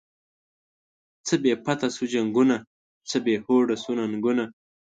څه بی پته شوو جنگونه، څه بی هوډه شوو ننگونه